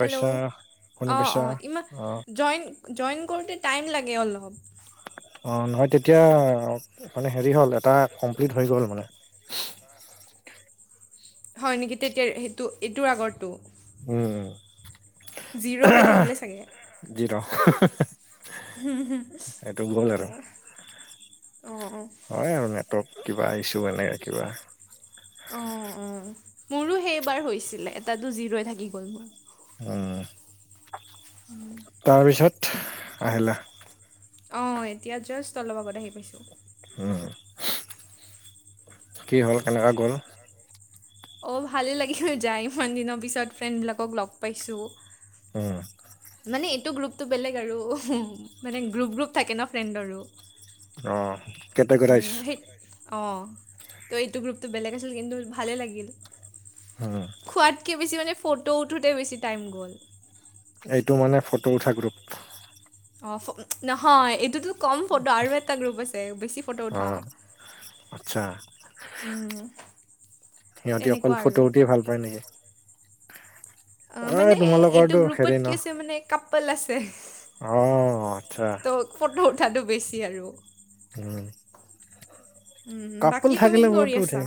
Hello অ' শুনি অ' পাইছা অ' ইমান অ জইণ্ট। জইন্ট কৰোতে টাইম লাগে অলপ-। অ' নহয় তেতিয়া মানে হেৰি হ'ল এটা কমপ্লিট হৈ গ'ল মানে-। হয় নেকি তেতিয়া সেইটো এইটোৰ আগৰটো। উম' উম'। জিৰ' হৈ থাকিলে চাগে। জি ৰ' হ হ হ। হ হ হ অঁ। হয় আৰু নেটৱৰ্ক কিবা ইছ্যু এনেকৈ কিবা-। অ' অ' মোৰো সেইবাৰ হৈছিলে, এটাতো জি'ৰো থাকি গ'ল মোৰ-। অ'। আহিলা তাৰপিছত। অ' এতিয়া জাষ্ট অলপ আগত আহি পাইছোঁ। কি হ'ল কেনেকুৱা গ'ল। অঁ ভালেই লাগিল যায় ইমান দিনৰ পিছত ফ্ৰেণ্ডবিলাকক লগ পাইছোঁ। হম। মানে এইটো গ্ৰুপতটো বেলেগ আৰু মানে গ্ৰুপ গ্ৰুপ থাকে ন ফ্ৰেণ্ডৰো। অ কেটেগৰাইজ উম হে অ ত এইটো গ্ৰুপটো বেলেগ আছিল কিন্তু ভালেই লাগিল। হম। খোৱাতকৈ বেছি মানে ফটো উঠোতে বেছি টাইম গ'ল। এইটো মানে ফটো উঠা গ্ৰুপ, অ নহয় এইটোতো কম ফটো আৰু এটা গ্ৰুপ আছে বেছি ফটো অ উঠা। আচ্ছা উম সিহঁতি অকল তেনেকুৱা ফটো আৰু উঠিয়ে ভাল পায় নেকি। অ মানে এইটো তোমালোকৰটো হেৰি গ্ৰুপত ন কি আছে মানে কাপোল আছে। অ আচ্ছা। ত ফটো উঠাটো বেছি আৰু উম, উম কাপোল বাকী তুমি থাকিলে কি কৰি ফটো উঠে আছা।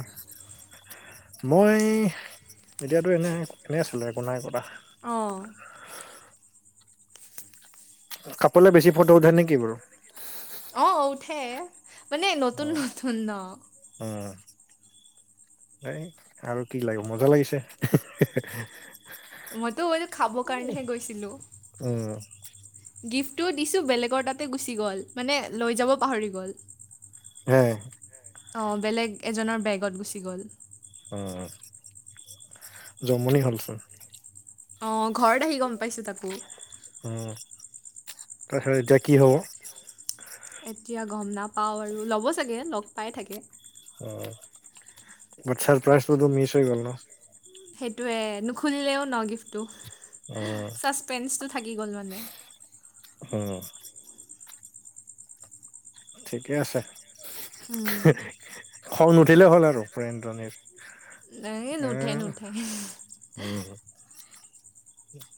মই এতিয়াতো এনে এনে আছিলো একো নাই কৰা। অ কাপোলে বেছি ফটো উঠে নেকি বাৰু অ উঠে মানে নতুন উম নতুন ন। উম, এ আৰু কি লাগে মজা লাগিছে। মইতো এইটো খাবৰ কাৰণেহে গৈছিলো। উম, গিফ্টটো দিছোঁ বেলেগৰ তাতে গুচি গ'ল মানে লৈ যাব পাহৰি গ'ল। হে, অঁ বেলেগ এজনৰ বেগত গুচি গ'ল। অ জমনি হ'লচোন। অ ঘৰত আহি গম পাইছোঁ তাকো। তাৰ পিছত এতিয়া কি হ'ব। এতিয়া গম নাপাওঁ আৰু ল'ব চাগে লগ পাই থাকে। আচ্ছা ছাৰপ্ৰাইজ ত মিছ হৈ গল ন। সেইটোয়ে নুখুলিলেও ন গিফ্টটো উম ছাচপেন্ঞ্চ টো থাকি গ'ল মানে। উম, ঠিকে আছে উম, খং নুঠিলেই হ'ল আৰু [unintelligible] নাই নুঠে উম নুঠে। উম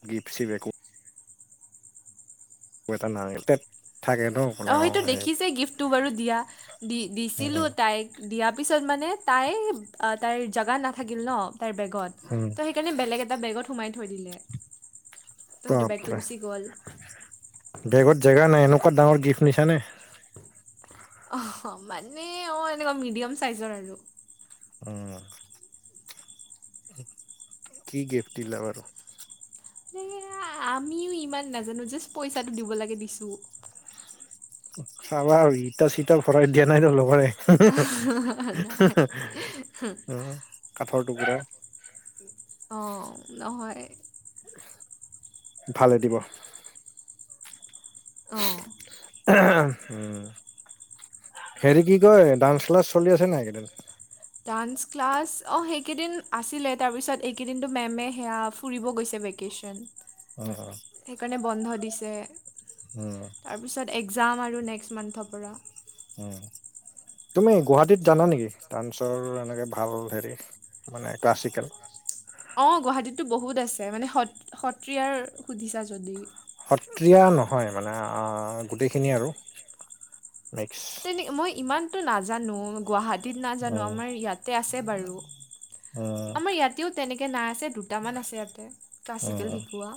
গিফ্ট শ্বিফ্ট একো, [unintelligible] ন বোলে অ সেইটো সেই দেখিছে গিফ্টটো বাৰু দিয়া দি দিছিলোঁ উম তাইক। দিয়া পিছত মানে তাই তাইৰ জাগাত নাথাকিল ন তাইৰ বেগত উম ত সে সেইকাৰণে বেলেগ এটা বেগত সোমাই থৈ দিলে তো সেইটো বেগটো বাপৰে গুচি গ'ল। বেগত জেগা নাই এনেকুৱা ডাঙৰ গিফ্ট নিছানে। অ মানে অ এনেকুৱা মিডিয়াম চাইজৰ আৰু উম, কি গিফ্ট দিলা বাৰু যে আমিও ইমান নাজানো জাষ্ট পইচাটো দিব লাগে দিছোঁ চাবা আৰু ইতা চিটা ভৰাইত দিয়া নাই তো লগৰে নাই উম কাঠৰ টুকুৰা অ নহয় ভালে দিব অ [unintelligible] হেৰি কি কয় ডান্স ক্লাছ চলি আছে নাই এইকেইদিন ডান্স ক্লাছ অ সেইকেইদিন আছিলে তাৰপিছত এইকেইদিনটো মেমে সেয়া ফুৰিব গৈছে ভেগ কেশচন অহ অহ সেইকাৰণে বন্ধ দিছে। উম তাৰ পিছত একজাম আৰু নেক্সট মান্থৰ পৰা উম তুমি গুৱাহাটীত জানা নেকি ডান্সৰ এনেকে ভাল হেৰি মানে ক্লাছিকেল অ গুৱাহাটীতো বহুত আছে মানে সত সত্ৰীয়াৰ সুধিছা যদি সত্ৰীয়া নহয় মানে গোটেইখিনি আৰু মিক্স তেনে মই ইমানতো নাজানো গুৱাহাট টীত নাজানো উম আমাৰ ইয়াতে আছে বাৰু উম আমাৰ ইয়াতেও তেনেকে নাচে টো কেইটামান আছে ইয়াতে উম ক্লাছিকেল শিকোৱা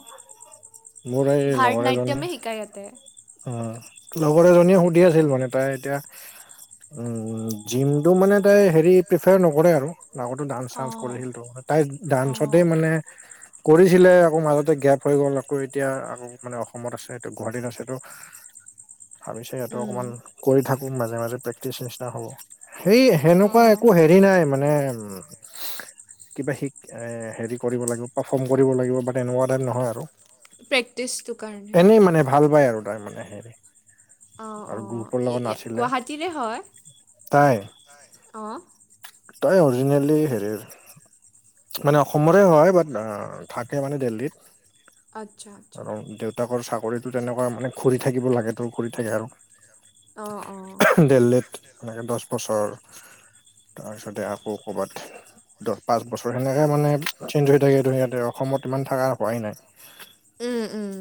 মোৰ ভাৰত নাট্যমে শিকাই ইয়াতে অ লগৰ এজনীয়ে সুধি আছিল মানে তাই এতিয়া উম জিমটো মানে তাই হেৰি প্ৰিফাৰ নকৰে আৰু আগতো ডান্স চান্স অঁ কৰিল টো তাই ডান্সতে মানে কৰিছিলে আকৌ মাজতে গেপ হৈ গ'ল আকৌ এতিয়া আকৌ মানে অসমত আছে গুৱাহাটীত আছে ত ভাবিছো ইয়াতে উম অকণমান কৰি থাকো মাজে মাজে প্ৰেক্টিচ নিচিনা হ'ব সেই সেনেকুৱা অঁ। একো হেৰি নাই মানে উ কিবা শিক এ হেৰি কৰিব লাগিব পাৰফৰ্ম কৰিব লাগিব বাট এনেকুৱা টাইম নহয় আৰু প্ৰেক্টিচটোৰ কাৰণে এনেই মানে ভাল পাই আৰু তাই মানে হেৰি অ আৰু অ গ্ৰুপৰ লগত নাছিলে গুৱাহাটীৰে হয় তাই অ তাই অৰিজিনেলি হেৰিৰ মানে অসমৰে হয় বাট থাকে মানে দিল্লীত আচ্ছা আচ্ছা আৰু দেউ দেউতাকৰ চাকৰিতো তেনেকুৱা মানে ঘূৰি থাকিব লাগেতো ঘূৰি থাকে আৰু অ অ দিল্লীত এনেকে দহ বছৰ তাৰ পিছতে আকৌ ক'ৰবাত দহ পাঁচ বছৰ সেনেকে মানে চেঞ্জ হৈ থাকেটো সিহঁতে অসমত ইমান থকা হোৱাই নাই উম উম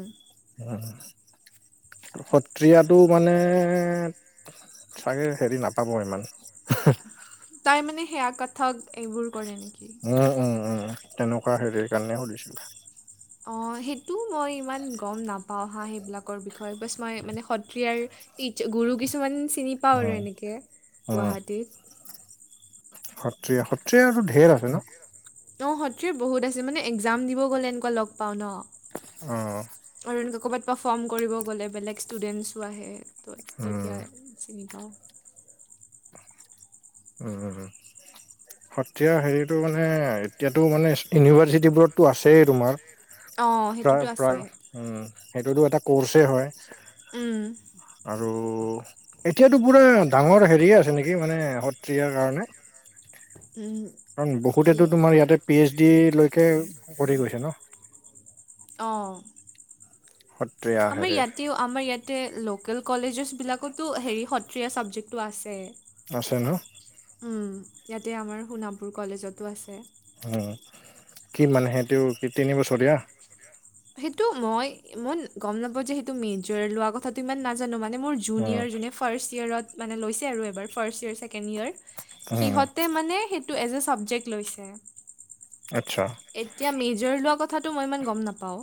সত্ৰীয়াটো মানে চাগে হেৰি নাপাব ইমান তাই মানে সেয়া কথক এইবোৰ কৰে নেকি? উম উম উম, তেনেকুৱা হেৰি কাৰণে সুধিছিল। অ সেইটো মই ইমান গম নাপাওঁ হা‌ সেইবিলাকৰ বিষয়ে, বছ মই মানে সত্ৰীয়াৰ টিছ গুৰু কিছুমান চিনি পাওঁ আৰু উম এনেকে, উম গুৱাহাটীত সত্ৰীয়া সত্ৰীয়াটো ঢেৰ আছে নহ অ সত্ৰীয়া বহুত আছে মানে একজাম দিব গলে এনেকুৱা লগ পাওঁ নহ। অহ অহ। আৰু এনেকুৱা কৰবাত পাৰফৰ্ম কৰিব গলে বেলেগ ষ্টুডেণ্টছো আহে। তহ উম তেতিয়াহে চিনি পাওঁ। অহ অহ অহ সত্ৰীয়া হেৰিটো মানে এতিয়াতো মানে ইউনিভাৰ্চিটিবোৰততো আছেই তোমাৰ অঁ প্ৰায় সেইটোতো আছে প্ৰায় উম, সেইটোতো এটা কৰ্ছে হয়। উম আৰু এতিয়াতো পুৰা ডাঙৰ হেৰি আছে নেকি মানে সত্ৰীয়াৰ কাৰণে উম কাৰণ কি বহুতেটো তোমাৰ ইয়াতে পি এইচ ডি লৈকে কৰি গৈছে নহ। অহ [inaudible] আমাৰ হেৰিৰ ইয়াতেও আমাৰ ইয়াতে লোকেল কলেজেছ বিলাকতো হেৰি সত্ৰীয়া ছাবজেক্টটো আছে। আছে নহ। উম ইয়াতে আমাৰ সোণাপুৰ কলেজতো আছে। আহ, কি মানে সেইটো কি তিনিবছৰীয়া সেইটো মই, মই গম নাপাওঁ যে সেইটো মেজৰ লোৱা কথাটো ইমান নাজানো মানে মোৰ উম জুনিয়ৰ যোনে ফাৰ্ষ্ট ইয়েৰত মানে লৈছে আৰু এইবাৰ ফাৰ্ষ্ট ইয়েৰ, ছেকেণ্ড ইয়েৰ উম সিহঁতে মানে সেইটো এজ এহ ছাবজেক্ট লৈছে। আচ্ছা এতিয়া মেজৰ লোৱা কথাটো মই ইমান গম নাপাওঁ।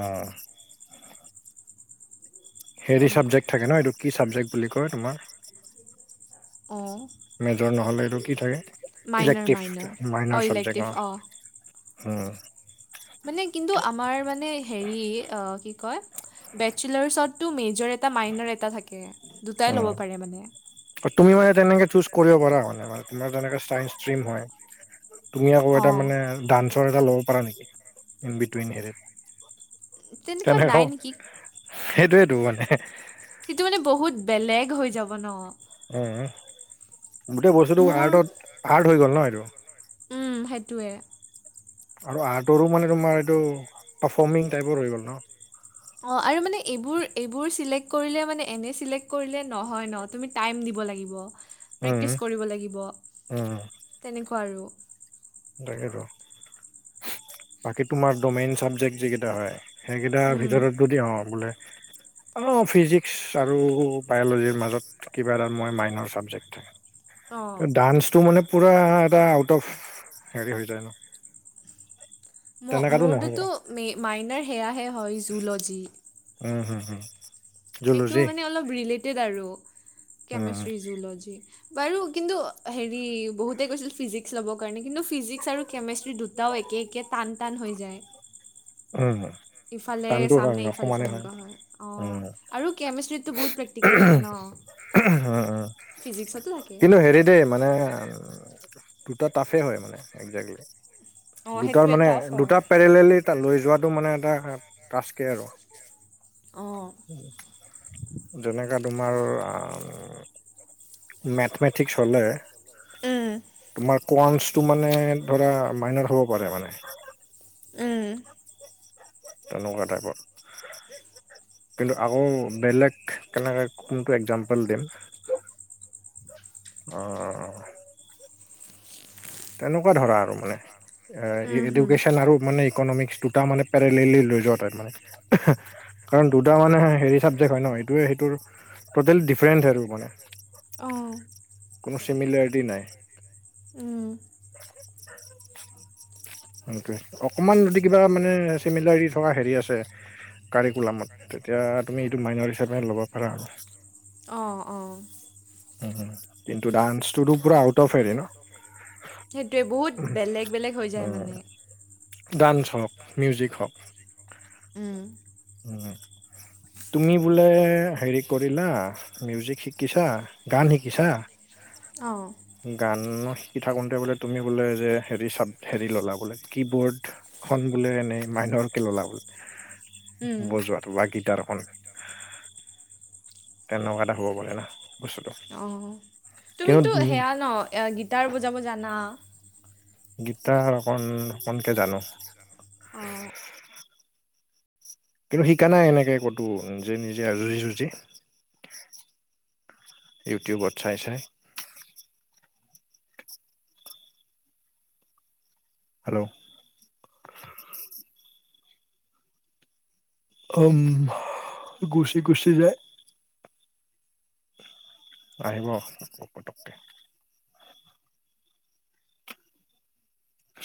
অহ হেৰি তেনেকুৱা চাবজেক্ট থাকে নহ, এইটো কি ছাবজেক্ট বুলি কয় তোমাৰ অহ মেজৰ নহলে এইটো কি থাকে, মাইনাৰ ইলেক্টিভ মাইনাৰ অঁ মাইনাৰ ইলেক্টিভ চাবজেক্ট অঁ অহ হুম মানে কিন্তু আমাৰ মানে হেৰি, অহ কি কয় বেচেলাৰ্চতটো মেজৰ এটা, মাইনাৰ এটা থাকে দুটাই লব পাৰে মানে অহ তুমি মানে তেনেকে চুজ কৰিব পৰা মানে তোমাৰ যেনেকে চাইন্স ষ্টিম হয়। তুমি আকৌ এটা অঁ মানে ডান্সৰ এটা লব পাৰা নেকি, ইন বিটুইন হেৰি তেনেকুৱা নাই নেকি সেইটোয়েটো মানে সেইটো মানে বহুত বেলেগ হৈ যাব নহ। অহ, গোটেই বস্তুটো মোৰ আৰ্টত আৰ্ট হৈ গল নহ এইটো উম সেইটোৱে আৰু আৰ্টৰো মানে তোমাৰ এইটো পাৰফৰ্মিং টাইপৰ হৈ গল নহ অহ আৰু মানে এইবোৰ, এইবোৰ চিলেক্ট কৰিলে মানে এনে চিলেক্ট কৰিলে নহয় নহ। তুমি টাইম দিব লাগিব, উম প্ৰেক্টিচ কৰিব লাগিব উম তেনেকুৱা আৰু তাকেটো বাকী তোমাৰটো মেইন চাবজেক্ট যিকেইটা হয়, সেইকেইটাৰ উম ভিতৰত যদি অহ বোলে অহ ফিজিক্স আৰু বায়লজিৰ মাজত কিবা এটা মই মাইনৰ চাবজেক্ট থাকে। অ টো ডান্সটো মানে পোৰা এটা আউট অফ হেৰি হৈ যায় ন। মোৰ তেনেকাতো নহ'ব মোৰটোতো মে মাইনাৰ সেয়াহে হয় জুলজী। উম হুম হম। সেইটো জুলজি মানে অলপ ৰিলেটেড আৰু উম কেমেষ্ট্ৰি জুলজি। বাৰু কিন্তু হেৰি বহুতেই কৈছিল ফিজিক্স ল'ব কাৰণে কিন্তু ফিজিক্স আৰু কেমেষ্ট্ৰি দুটাও একেই। কে টান টান হৈ যায়। উম হম্। ইফালে চামনে ইফালে চাম এনেকুৱা হয়, অহ উম, আৰু কেমেষ্ট্ৰীটো বহুত প্ৰেক্টিকেল থাকে ন। অঁ অঁ ফিজিক্সতো থাকে কিন্তু হেৰি দেই মানে দুটা টাফে হয় মানে একজেক্টলি। অহ দুটাৰ সেইটোৱে মানে টাফ দুটা হয়। মানে পেৰেলেলি দুটা লৈ যোৱাটো পেৰেলিলী মানে টাফ এটা হৈ যোৱাটো টাস্কে আৰু। মানে এটা [inaudible] আৰু। অঁ। যেনেকা তোমাৰ আউমহ মেথমেটিক্স হলে উম তোমাৰ কোৱান্তচটো মানে ধৰা মাইনৰ হ'ব পাৰে মানে। উম। তেনেকুৱা টাইপৰ। কিন্তু আকৌ বেলেগ কেনেকে কোনটো এক্জাম্পল দিম অঁ অঁ অঁ অঁ। তেনেকুৱা ধৰা আৰু মানে উম এ হুম এডুকেশচন আৰু মানে ইকনমিক্স দুটা মানে পেৰেলেলি লৈ যোৱা তাইপ মানে। কাৰণ দুটা মানে হেৰি চাবজেক্ট হয় ন ইটোয়ে সিটোৰ টোটেল ডিফাৰেন্ট এইটো মানে, অঁ কোনো চিমিলাৰটি নাই। উম এইটোৱে, অকমান যদি কিবা মানে চিমিলাৰিটি থকা হেৰি আছে কাৰিকুলামত তেতিয়া তুমি এইটো মাইনৰ হিচাপে ল'ব পাৰা আৰু। অঁ। অঁ। উম উম কিন্তু ডান্সটোতো পোৰা আউট অফ হেৰি ন। সেইটোৱে বহুত বেলেগ বেলেগ হৈ যায় উম, মানে। ডান্স হওক, মিউজিক হওক উম। উ তুমি বোলে হেৰি কৰিলা মিউজিক শিকিছা, গান শিকিছা? অঁ। গান শিকি থাকোঁতে বোলে তুমি বোলে যে হেৰি চাব হেৰি ল'লা বোলে কি বৰ্ড খন বোলে এনেই মাইনৰ কে ললা বোলে উম বজোৱাটো বা গীটাৰখন তেনেকুৱা এটা হ'ব পৰে না বস্তুটো। অঁ কিন্তু তুমিতো উম সেয়া ন এ গীটাৰ বজাব জানা? গীটাৰ অকণ অকণকে জানো। অঁ। কিন্তু শিকা নাই এনেকে ক'তো, নিজে নিজে আ যুঁজি যুঁজি। ইউটিউবত চাই চাই। হেল্ল। [unintelligible] গুচি গুচি যায়। আহিব পতককে।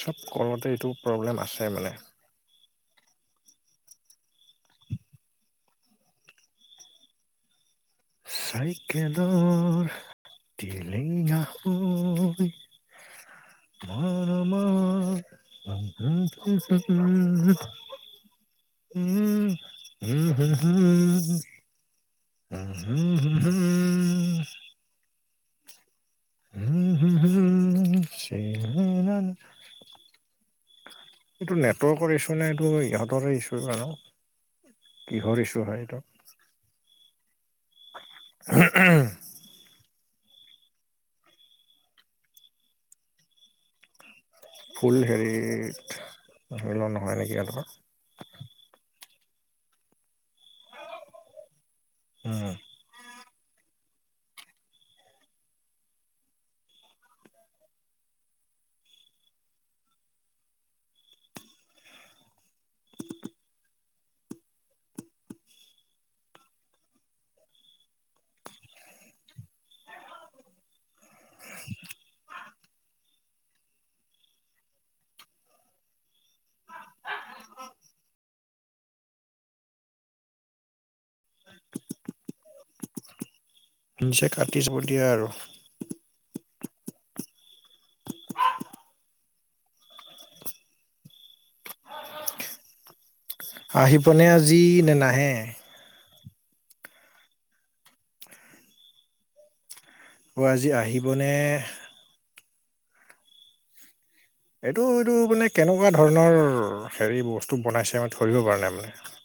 চব কলতে এইটো প্ৰব্লেম আছে মানে। চাইকেলৰ টিলিঙা হয়। [unintelligible] [unintelligible] উম উম হুম হুম। উম হুম হুম হুম। উম। [unintelligible] এইটো নেটৱৰ্কৰ ইছ্যু নে, এইটো ইহঁতৰে ইছ্যু আৰু জানো। কিহৰ ইছু হয় সেইটো। [unintelligible] ফুল হেৰিত ধৰি লোৱা নহয় নেকি ইহঁতৰ। উম। [inaudible] নিচে কাটি চব দিয়া আৰু। [inaudible] আহিবনে আজি নে নাহে? ঐ আজি আহিবনে? এইটো এইটো মানে কেনেকুৱা ধৰণৰ হেৰি বস্তু বনাইছে, মই ধৰিবৰ পৰা নাই মানে।